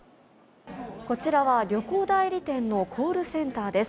こちらは旅行代理店のコールセンターです